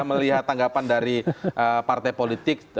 melihat tanggapan dari partai politik